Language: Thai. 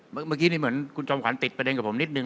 เมื่อกี้นี่เหมือนคุณจอมขวัญติดประเด็นกับผมนิดนึ